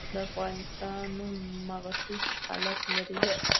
د افغانستان نوم مغشوش حالت لري.